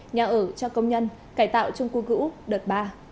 nhà ở cho công nhân cải tạo chung cư cữu đợt ba